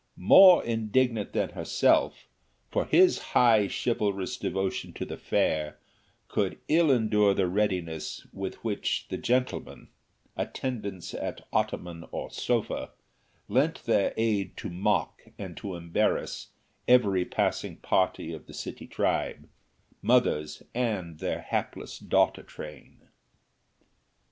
More indignant than herself, for his high chivalrous devotion to the fair could ill endure the readiness with which the gentlemen, attendants at ottoman or sofa, lent their aid to mock and to embarrass every passing party of the city tribe, mothers and their hapless daughter train.